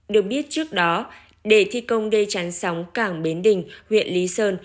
được biết trước đó để thi công đê chắn sóng cảng bến đình huyện lý sơn